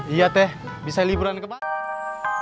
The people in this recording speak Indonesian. iya teh bisa liburan kemana